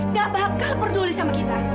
gak bakal peduli sama kita